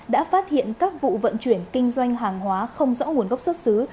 đã phát hiện các vụ vận chuyển kinh doanh hàng hóa không rõ nguồn gốc xuất xứ